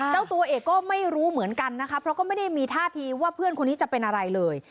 เจ้าตัวเอกก็ไม่รู้เหมือนกันนะคะเพราะก็ไม่ได้มีท่าทีว่าเพื่อนคนนี้จะเป็นอะไรเลย